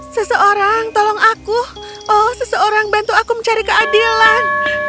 seseorang tolong aku oh seseorang bantu aku mencari keadilan